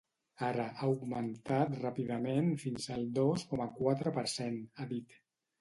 Ara ha augmentat ràpidament fins al dos coma quatre per cent, ha dit.